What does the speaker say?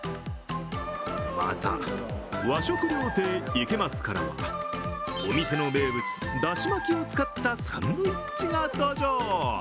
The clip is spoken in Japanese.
また、和食料亭、いけ増からはお店の名物、だし巻きを使ったサンドイッチが登場。